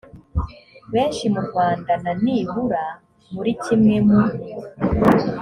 benshi mu rwanda na nibura muri kimwe mu